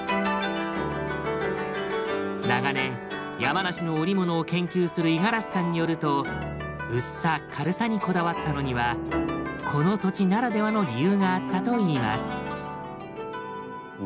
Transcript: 長年山梨の織物を研究する五十嵐さんによると薄さ軽さにこだわったのにはこの土地ならではの理由があったといいます。